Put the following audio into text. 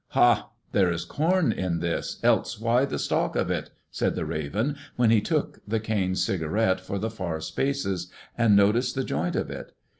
"Ha! There is corn in this, else why the stalk of it?" said the Raven, when he took the cane cigarette of the far spaces and noticed the joint of it.